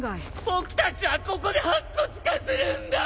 僕たちはここで白骨化するんだぁ！